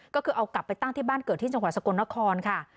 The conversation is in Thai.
ก็คือเอากลับไปตั้งที่บ้านเกิดที่จังหวัดสกลนครค่ะ